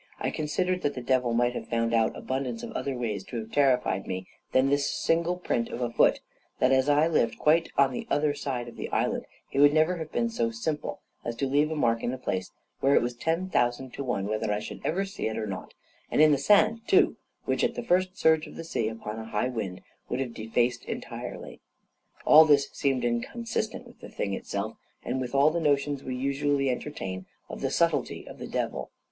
I considered that the devil might have found out abundance of other ways to have terrified me than this of the single print of a foot; that as I lived quite on the other side of the island, he would never have been so simple as to leave a mark in a place where it was ten thousand to one whether I should ever see it or not, and in the sand, too, which the first surge of the sea, upon a high wind, would have defaced entirely. All this seemed inconsistent with the thing itself, and with all the notions we usually entertain of the subtlety of the devil.